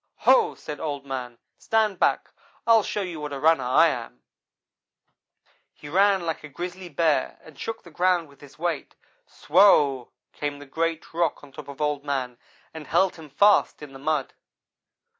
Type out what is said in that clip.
"'Ho!' said Old man, 'stand back! I'll show you what a runner I am.' "He ran like a grizzly bear, and shook the ground with his weight. Swow! came the great rock on top of Old man and held him fast in the mud.